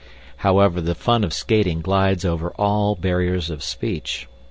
However, the fun of skating glides over all barriers of speech.